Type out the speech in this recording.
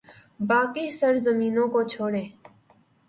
باقی سرزمینوں کو چھوڑیں۔